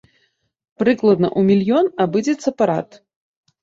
Прыкладна ў мільён абыдзецца парад.